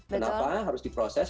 kenapa harus diproses